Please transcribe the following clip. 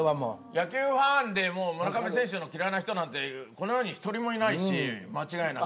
野球ファンでもう村上選手嫌いな人なんてこの世に１人もいないし間違いなく。